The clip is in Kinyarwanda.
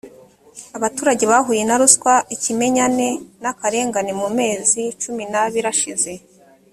abaturage bahuye na ruswa ikimenyane n’akarengane mu mezi cumi n’abiri ashize